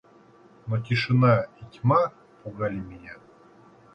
Но тишина и тьма пугали меня.